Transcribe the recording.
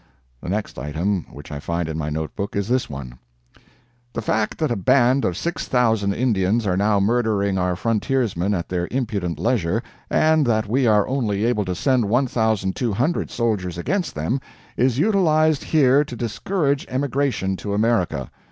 The next item which I find in my note book is this one: "The fact that a band of 6,000 Indians are now murdering our frontiersmen at their impudent leisure, and that we are only able to send 1,200 soldiers against them, is utilized here to discourage emigration to America.